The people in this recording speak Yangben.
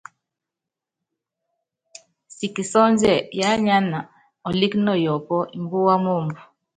Siki sɔ́ndiɛ, yiá nyána ɔlíki nɔ yɔpɔ́, mbúwa moombo.